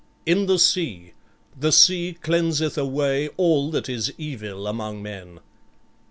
"In the sea. The sea cleanseth away all that is evil among men."